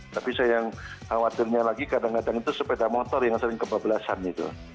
tapi saya yang khawatirnya lagi kadang kadang itu sepeda motor yang sering kebablasan itu